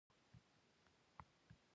غیر مهم نظرونه لرې کیږي.